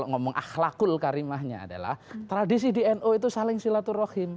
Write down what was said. ngomong akhlakul karimahnya adalah tradisi di nu itu saling silaturahim